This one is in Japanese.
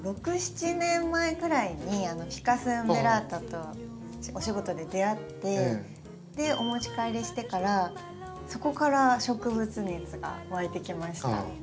６７年前ぐらいにフィカス・ウンベラ―タとお仕事で出会ってお持ち帰りしてからそこから植物熱がわいてきました。